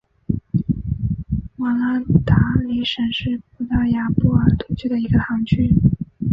瓦拉达里什是葡萄牙波尔图区的一个堂区。